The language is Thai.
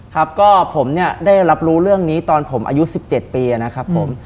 ครับก็ผมเนี่ยได้รับรู้เรื่องนี้ตอนผมอายุ๑๗ปีนะครับผม